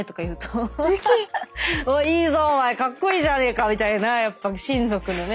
「おっいいぞお前かっこいいじゃねえか」みたいな親族のね